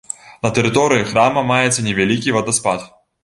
На тэрыторыі храма маецца невялікі вадаспад.